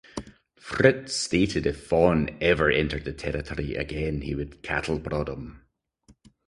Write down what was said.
Fritz stated if Vaughan ever entered the territory again he would cattle prod him.